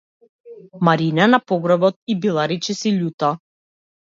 Марина на погребот ѝ била речиси лута.